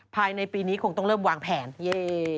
ภายในปีนี้คงต้องเริ่มวางแผนเย่